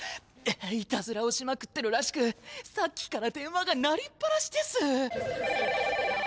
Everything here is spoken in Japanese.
いたずらをしまくってるらしくさっきから電話が鳴りっぱなしです。